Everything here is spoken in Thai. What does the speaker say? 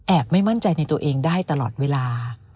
ไม่มั่นใจในตัวเองได้ตลอดเวลา